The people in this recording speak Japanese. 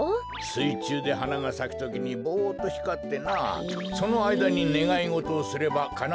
すいちゅうではながさくときにぼっとひかってなあそのあいだにねがいごとをすればかなうといわれておるんじゃ。